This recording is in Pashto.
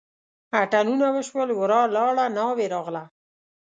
اتڼونه شول ورا لاړه ناوې راغله.